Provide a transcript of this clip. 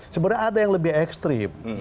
sebenarnya ada yang lebih ekstrim